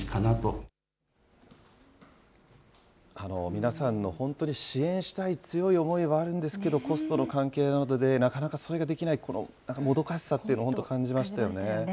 皆さんの本当に支援したい強い思いはあるんですけど、コストの関係などでなかなかそれができない、このもどかしさっていうのそうですよね。